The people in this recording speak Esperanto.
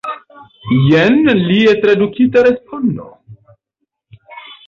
Jen lia tradukita respondo.